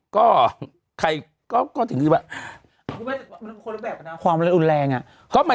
ก็ใครก็ติดอย่างงี้แบบ